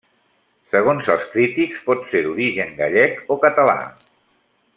Segons els crítics pot ser d'origen gallec o català.